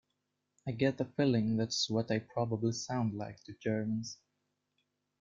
I get the feeling that's what I probably sound like to Germans.